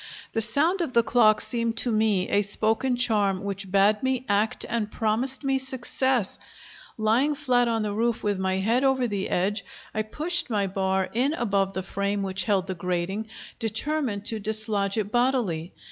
The sound of the clock seemed to me a spoken charm which bade me act and promised me success. Lying flat on the roof with my head over the edge, I pushed my bar in above the frame which held the grating, determined to dislodge it bodily.